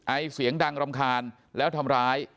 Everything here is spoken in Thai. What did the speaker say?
ไอเสียงดังรำคาญแล้วทำร้าย